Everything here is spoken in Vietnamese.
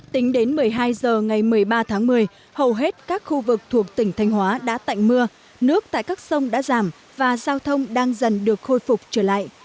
tính đến một mươi hai h ngày một mươi ba tháng một mươi hầu hết các khu vực thuộc tỉnh thanh hóa đã tạnh mưa nước tại các sông đã giảm và giao thông đang dần được khôi phục trở lại